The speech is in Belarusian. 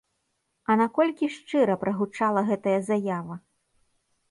А наколькі шчыра прагучала гэтая заява?